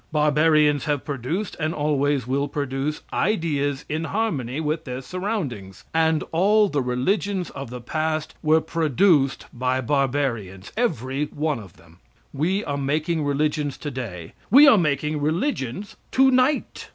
Barbarians have produced, and always will produce ideas in harmony with their surroundings, and all the religions of the past were produced by barbarians every one of them. We are making religions today. We are making religions to night.